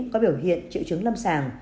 có biểu hiện triệu chứng lâm sàng